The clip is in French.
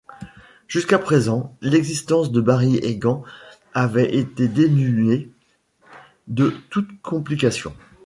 Jusqu'à présent, l'existence de Barry Egan avait été dénuée de toute complication.